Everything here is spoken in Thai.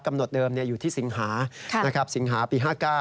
หดเดิมอยู่ที่สิงหาสิงหาปี๕๙